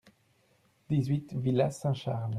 dix-huit villa Saint-Charles